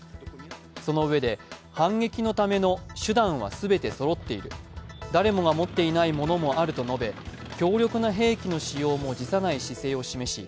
そのうえで、反撃のための手段は全てそろっている誰もが持っていないものもあると述べ強力な兵器の使用も辞さない姿勢を示し